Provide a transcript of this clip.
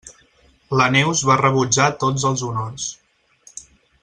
La Neus va rebutjar tots els honors.